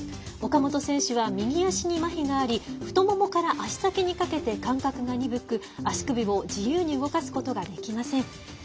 岡本選手は右足にまひがあり太ももから足先にかけて感覚が鈍く、足首を自由に動かすことができません。